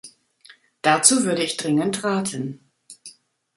Dazu würde ich dringend raten.